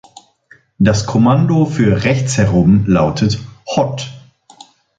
Das Kommando für rechtsherum lautet hott.